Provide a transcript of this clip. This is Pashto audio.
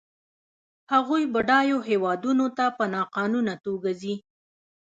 هغوی بډایو هېوادونو ته په ناقانونه توګه ځي.